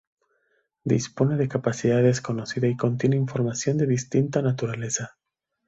Dispone de capacidad desconocida y contiene información de distinta naturaleza.